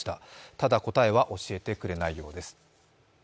ただ答えは教えてくれないようです。